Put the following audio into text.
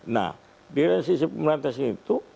nah di dalam sisi pemberantasan itu